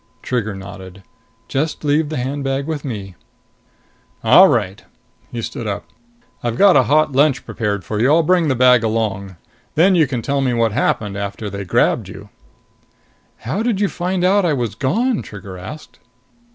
Trigger nodded. "Just leave the handbag with me." "All right." He stood up. "I've got a hot lunch prepared for you. I'll bring the bag along. Then you can tell me what happened after they grabbed you." "How did you find out I was gone?" Trigger asked.